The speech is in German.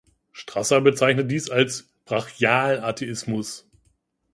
Strasser bezeichnet dies als „Brachial-Atheismus“.